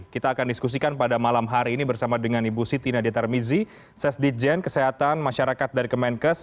kita akan diskusikan pada malam hari ini bersama dengan ibu siti nadia tarmizi sesdijen kesehatan masyarakat dari kemenkes